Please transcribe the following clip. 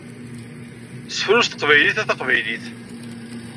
Sefru s teqbaylit a taqbaylit!